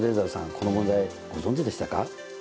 この問題ご存じでしたか？